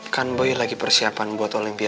kan boy lagi persiapan buat olimpiade